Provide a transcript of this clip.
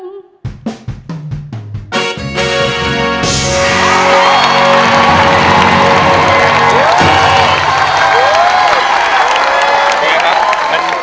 เสียดายจัง